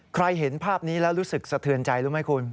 เห็นภาพนี้แล้วรู้สึกสะเทือนใจรู้ไหมคุณ